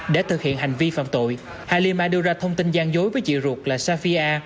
để thực hiện hành vi phạm tội halima đưa ra thông tin gian dối với chị ruột là safia